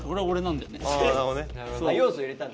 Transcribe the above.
要素入れたんだ。